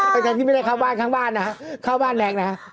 แต่ทางนี้ไม่ได้เข้าบ้านข้างบ้านนะครับเข้าบ้านแน็กนะครับ